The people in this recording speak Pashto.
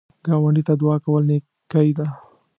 ګاونډي ته دعا کول نیکی ده